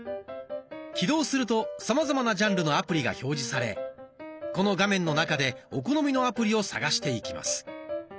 起動するとさまざまなジャンルのアプリが表示されこの画面の中でお好みのアプリを探していきます。